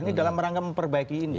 ini dalam rangka memperbaiki ini